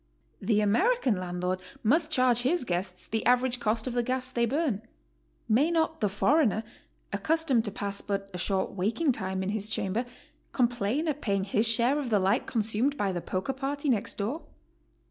The American landlord must charge his guests the average cost of the gas they burn. May not the foreigner, accus tomed to pass but a short waking time in his chamber, com plain at paying his share of the light consumed by the poker party next door?